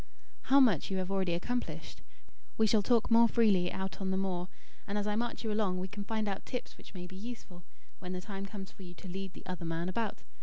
How much you have already accomplished! We shall talk more freely out on the moor; and, as I march you along, we can find out tips which may be useful when the time comes for you to lead the 'other man' about.